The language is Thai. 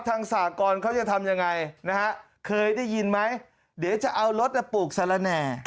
สากรเขาจะทำยังไงนะฮะเคยได้ยินไหมเดี๋ยวจะเอารถปลูกสละแหน่